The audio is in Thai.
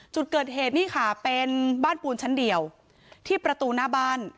จุดเกิดเหตุนี่ค่ะเป็นบ้านปูนชั้นเดียวที่ประตูหน้าบ้าน